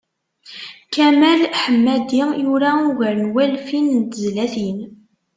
Kamal Ḥemmadi yura ugar n walfin n tezlatin.